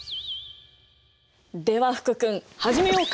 では福くん始めようか。